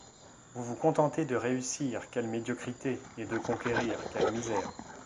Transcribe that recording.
Vous vous contentez de réussir, quelle médiocrité! et de conquérir, quelle misère !